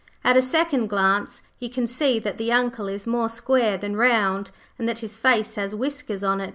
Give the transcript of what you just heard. At a second glance you can see that the Uncle is more square than round, and that his face has whiskers on it.